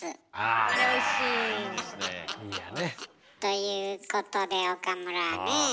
あ！ということで岡村ねえ？